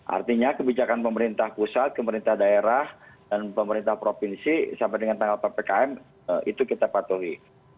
artinya kebijakan pemerintah pusat pemerintah daerah dan pemerintah provinsi sampai dengan tanggal ppkm itu kita patuhi